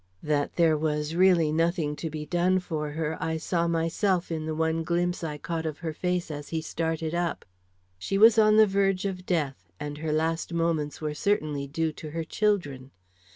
That there was really nothing to be done for her, I saw myself in the one glimpse I caught of her face as he started up. She was on the verge of death, and her last moments were certainly due to her children.